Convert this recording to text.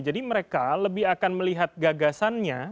jadi mereka lebih akan melihat gagasannya